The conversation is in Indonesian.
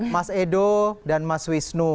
mas edo dan mas wisnu